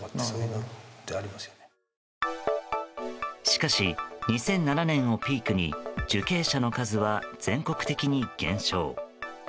しかし２００７年をピークに受刑者の数は全国的に減少。